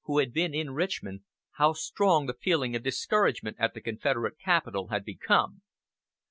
who had been in Richmond, how strong the feeling of discouragement at the Confederate capital had become.